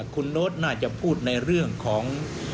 คุณโน๊ตน่าจะพูดในเรื่องของ